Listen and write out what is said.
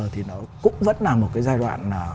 thì nó cũng vẫn là một cái giai đoạn